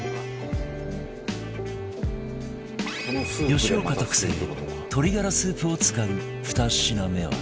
吉岡特製鶏ガラスープを使う２品目は